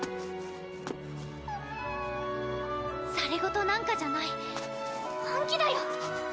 コメざれ言なんかじゃない本気だよ